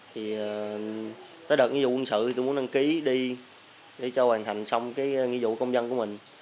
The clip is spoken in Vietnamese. thì tới đợt nghĩa vụ quân sự thì tôi muốn đăng ký đi để cho hoàn thành xong cái nghĩa vụ công dân của mình